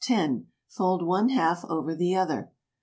Fold one half over the other.